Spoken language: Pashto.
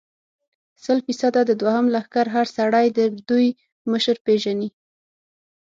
سل فیصده، د دوهم لښکر هر سړی د دوی مشره پېژني.